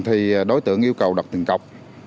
thì đối tượng yêu cầu đặt tiền cọc